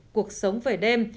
cuộc sống về đêm